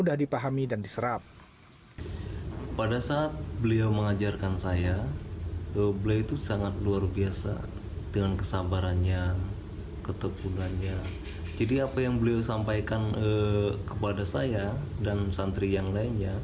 atau disingkat kependekan dari stif sentral